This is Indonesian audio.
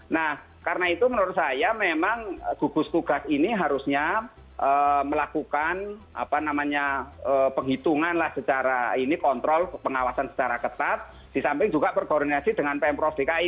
nah karena itu menurut saya memang gugus tugas ini harusnya melakukan penghitungan lah secara ini kontrol pengawasan secara ketat di samping juga berkoordinasi dengan pemprov dki